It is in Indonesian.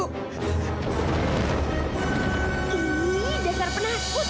ih dasar penakut